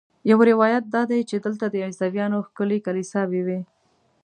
یو روایت دا دی چې دلته د عیسویانو ښکلې کلیساوې وې.